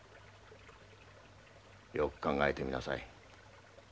よく考えてみなさい。